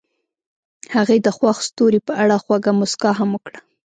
هغې د خوښ ستوري په اړه خوږه موسکا هم وکړه.